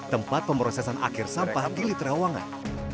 tempat pemrosesan akhir sampah di gili terawangan